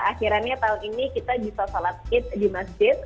akhirnya tahun ini kita bisa sholat id di masjid